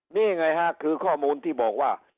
นี่ไงฮะคือข้อมูลที่บอกว่า